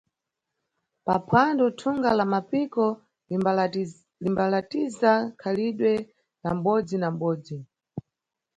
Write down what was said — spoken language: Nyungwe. Paphwando, thunga la Mapiko limbalatiza khalidwe la mʼbodzi na mʼbodzi.